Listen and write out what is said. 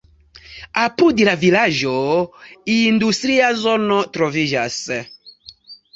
Apud la vilaĝo industria zono troviĝas.